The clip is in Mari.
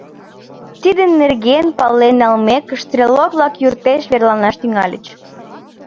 Тидын нерген пален налмекышт, стрелок-влак юртеш верланаш тӱҥальыч.